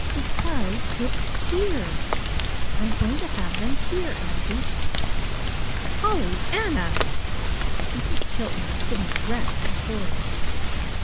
"Because it's HERE. I'm going to have them here, auntie." "Pollyanna!" Mrs. Chilton was sitting erect in horror.